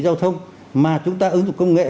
giao thông mà chúng ta ứng dụng công nghệ